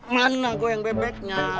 mana gue yang bebeknya